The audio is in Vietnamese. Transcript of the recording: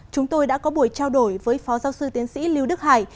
chúng tôi đã có buổi trao đổi với phó giáo sư tiến sĩ lưu đức hải